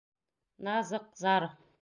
Наз... ыҡ!., зар...